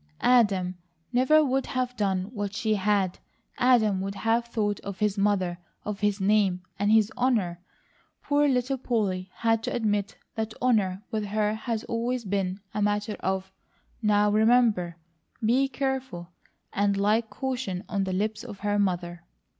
Adam never would have done what she had. Adam would have thought of his mother and his name and his honour. Poor little Polly had to admit that honour with her had always been a matter of, "Now remember," "Be careful," and like caution on the lips of her mother.